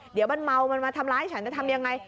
เดี๋ยวมันเมามันมาทำร้ายฉันจะทำยังไง